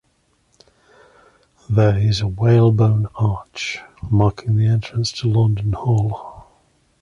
There is a Whalebone Arch marking the entrance to Laundon Hall.